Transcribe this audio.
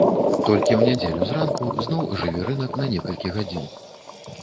Толькі ў нядзелю з ранку зноў ажыве рынак на некалькі гадзін.